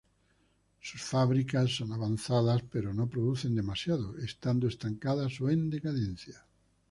Sus fábricas son avanzadas pero no producen demasiado, estando estancadas o en decadencia.